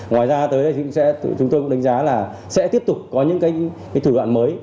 ngoài ra tới chúng tôi cũng đánh giá là sẽ tiếp tục có những cái thủ đoạn mới